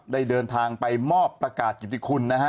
ได้เดินทางไปมอบประกาศกิติคุณนะฮะ